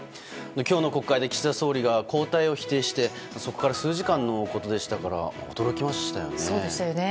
今日の国会で岸田総理が交代を否定してそこから数時間のことでしたから驚きましたよね。